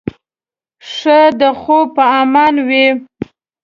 ښه د خوب په ارمان وې.